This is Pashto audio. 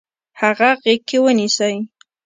هغه غیږ کې ونیسئ.